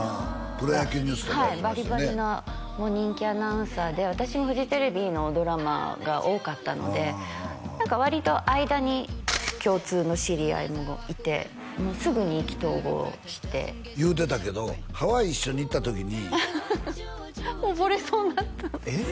「プロ野球ニュース」とかはいバリバリな人気アナウンサーで私もフジテレビのドラマが多かったので何か割と間に共通の知り合いもいてもうすぐに意気投合して言うてたけどハワイ一緒に行った時に溺れそうになったんですえっ？